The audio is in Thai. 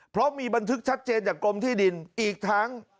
เพราะมีบันทึกชัดเจนจากกรมที่ดิน